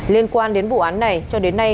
liên quan đến vụ án này cho đến nay